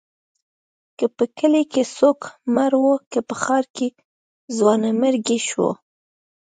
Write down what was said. که په کلي کې څوک مړ و، که په ښار کې ځوانيمرګ شو.